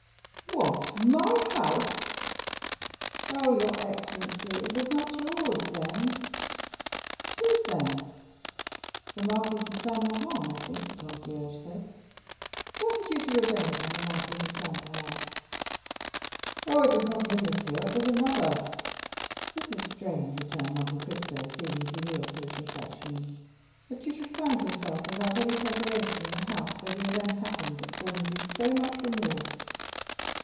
"What! my house?" "Oh, your excellency, it was not yours, then." "Whose, then? The Marquis de Saint Méran, I think, the concierge said. What had you to revenge on the Marquis de Saint Méran?" "Oh, it was not on him, monsieur; it was on another." "This is strange," returned Monte Cristo, seeming to yield to his reflections, "that you should find yourself without any preparation in a house where the event happened that causes you so much remorse."